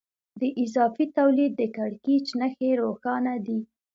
د اضافي تولید د کړکېچ نښې روښانه دي